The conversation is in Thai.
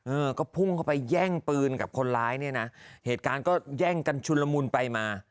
เออก็พุ่งเข้าไปแย่งปืนกับคนร้ายเนี่ยนะเหตุการณ์ก็แย่งกันชุนละมุนไปมา